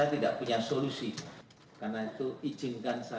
tidak ada di mana mana